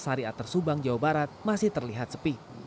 saria ter subang jawa barat masih terlihat sepi